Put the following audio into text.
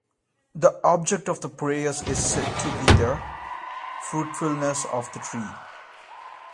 The object of the prayers is said to be the fruitfulness of the tree.